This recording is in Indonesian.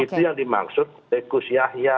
itu yang dimaksud oleh gus yaya